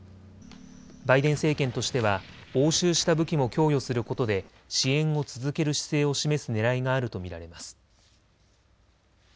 バイデン政権としては押収した武器も供与することで支援を続ける姿勢を示すねらいがあると見られます。